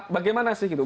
bagaimana sih gitu